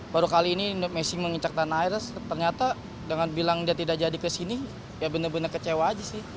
baru kali ini messi mengincak tanah air ternyata dengan bilang dia tidak jadi kesini ya bener bener kecewa aja sih